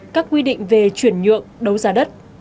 các quy định về chuyển nhượng đấu giá đất